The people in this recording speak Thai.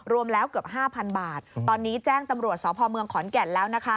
รวมแล้วเกือบ๕๐๐๐บาทตอนนี้แจ้งตำรวจสพเมืองขอนแก่นแล้วนะคะ